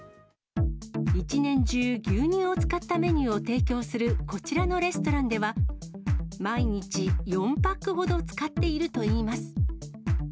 １年中、牛乳を使ったメニューを提供するこちらのレストランでは、毎日、４パックほど使っているといいます。